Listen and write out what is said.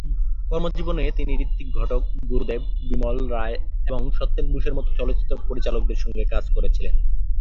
কর্মজীবনে তিনি ঋত্বিক ঘটক, গুরু দত্ত, বিমল রায় এবং সত্যেন বোসের মতো চলচ্চিত্র পরিচালকদের সাথে কাজ করেছিলেন।